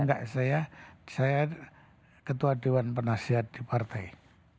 enggak saya ketua dewan penasihat di pariwisata